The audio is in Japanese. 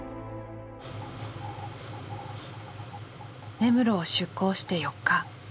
根室を出港して４日。